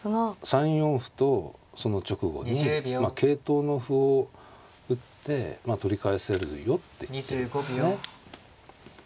３四歩とその直後に桂頭の歩を打って取り返せるよって言ってんですね。